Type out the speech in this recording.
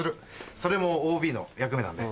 それもＯＢの役目なんで。